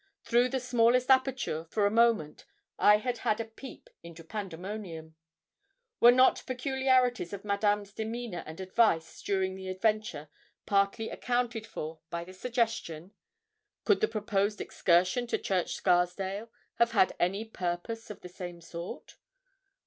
Through the smallest aperture, for a moment, I had had a peep into Pandemonium. Were not peculiarities of Madame's demeanour and advice during the adventure partly accounted for by the suggestion? Could the proposed excursion to Church Scarsdale have had any purpose of the same sort?